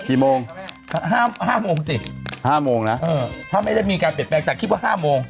กี่โมงห้าโมงสิห้าโมงนะเออถ้าไม่ได้มีการเปลี่ยนแปลงแต่คิดว่า๕โมง